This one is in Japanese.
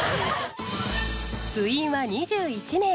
部員は２１名。